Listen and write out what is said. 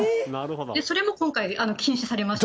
それも今回、禁止されました。